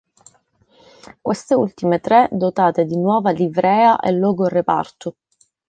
Queste ultime tre dotate di nuova livrea e logo reparto.